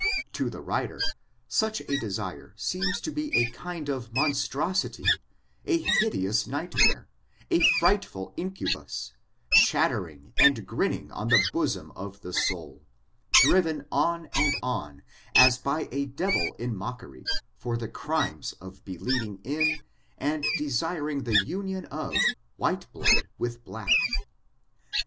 To the writer, such a ddsit^ seems to be a kind of monstrosity, a hideous tight mare, a frightful incubus, chattering and grinning' on the bosom of the soul, driven on, and on, as by a devil in mockery, for the crime of believing in, Md desiring the union of, white blood with black.